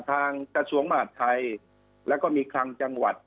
ทางกระทรวงมารทไทยแล้วก็มีทางจังหวัด